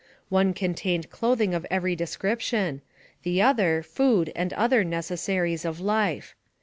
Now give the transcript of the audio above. One contained clothing of every description; the other, food and other necessaries of life.